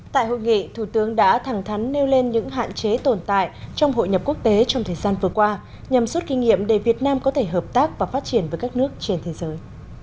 tại hội nghị thủ tướng đã thẳng thắn nêu lên những hạn chế tồn tại trong hội nhập quốc tế trong thời gian vừa qua nhằm rút kinh nghiệm để việt nam có thể hợp tác và phát triển với các nước trên thế giới